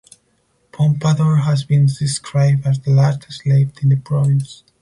Pompadour has been described as the last slave in the province.